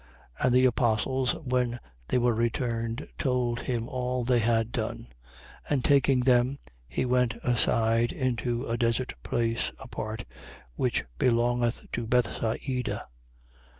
9:10. And the apostles, when they were returned, told him all they had done. And taking them, he went aside into a desert place, apart, which belongeth to Bethsaida.